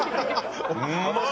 うまい！